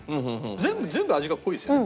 全部全部味が濃いですよね。